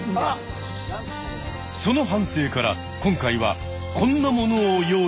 その反省から今回はこんなものを用意した。